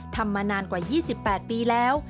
ทำมานานกว่า๒๘ปีแล้ว